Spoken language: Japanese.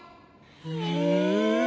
へえ。